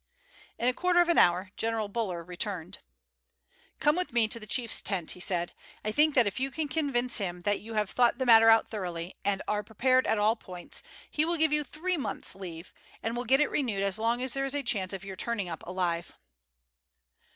In a quarter of a hour General Buller returned. "Come with me to the chief's tent," he said. "I think that if you can convince him that you have thought the matter out thoroughly, and are prepared at all points, he will give you three months' leave, and will get it renewed as long as there is a chance of your turning up alive."